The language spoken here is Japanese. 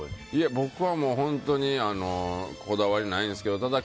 僕は本当にこだわりないですけどただ